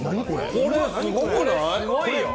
これ、すごくない？